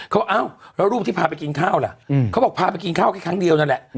แล้วรูปที่พาไปกินข้าวล่ะพาไปกินข้าวครั้งเดียวนั่นแหละ